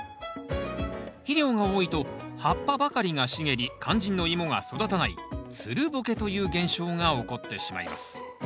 肥料が多いと葉っぱばかりが茂り肝心のイモが育たないつるボケという現象が起こってしまいます。